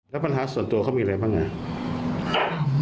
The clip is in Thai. แล้วปัญหาส่วนตัวเขามีอะไรบ้างไง